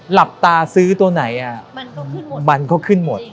หลับตาซื้อตัวไหนมันก็ขึ้นหมด